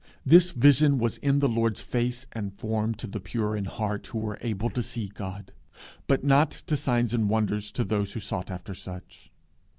This vision was in the Lord's face and form to the pure in heart who were able to see God; but not in his signs and wonders to those who sought after such.